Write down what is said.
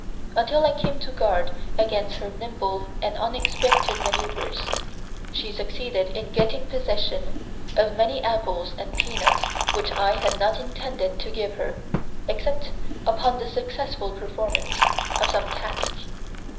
Until I came to guard against her nimble and unexpected manoeuvres, she succeeded in getting possession of many apples and peanuts which I had not intended to give her except upon the successful performance of some task."